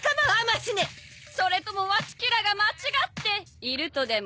それともわちきらが間違っているとでも？